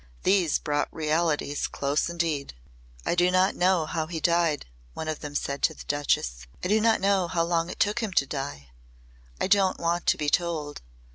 These brought realities close indeed. "I don't know how he died," one of them said to the Duchess. "I don't know how long it took him to die. I don't want to be told.